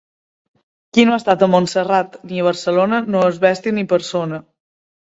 Qui no ha estat a Montserrat ni a Barcelona no és bèstia ni persona.